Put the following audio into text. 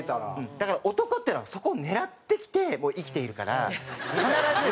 だから男っていうのはそこを狙ってきて生きているから必ず。